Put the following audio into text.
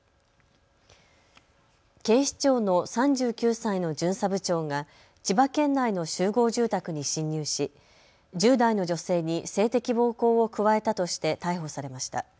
警視庁の３９歳の巡査部長が千葉県内の集合住宅に侵入し１０代の女性に性的暴行を加えたとして逮捕されました。